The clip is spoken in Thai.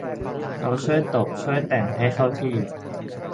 เราช่วยตบ ช่วยแต่ง ให้เข้าที่